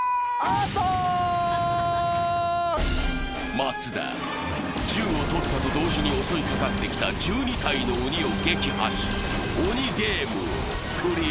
松田、銃を取ったと同時に襲いかかってきた１２体の鬼を撃破し、オニゲームをクリア。